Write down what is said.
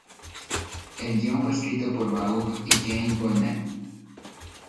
El guion fue escrito por Vaughn y Jane Goldman.